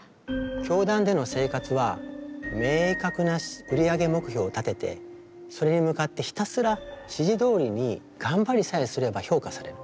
教団での生活は明確な売り上げ目標を立ててそれに向かってひたすら指示どおりに頑張りさえすれば評価される。